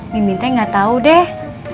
mimintnya nggak tahu deh